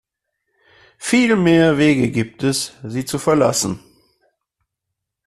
Viel mehr Wege gibt es, sie zu verlassen.